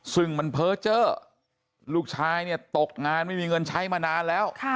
ซึ่งมันเพ้อเจอร์ลูกชายเนี่ยตกงานไม่มีเงินใช้มานานแล้ว